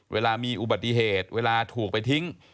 เวลามีอุบัติเหตุเวลาถูกไปทิ้ง